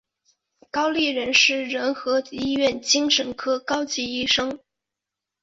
高立仁是仁和医院精神科高级医生。